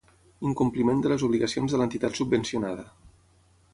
Incompliment de les obligacions de l'entitat subvencionada.